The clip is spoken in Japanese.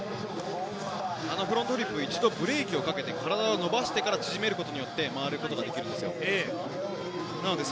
フロントフリップ、一度ブレーキをかけて体を伸ばしてから縮めることによって回ることができるんです。